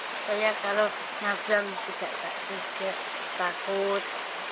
supaya kalau nabang sudah takut